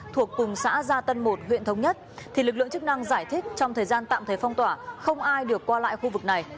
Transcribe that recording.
thuộc cùng xã gia tân một huyện thống nhất thì lực lượng chức năng giải thích trong thời gian tạm thời phong tỏa không ai được qua lại khu vực này